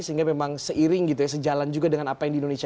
sehingga memang seiring gitu ya sejalan juga dengan apa yang di indonesia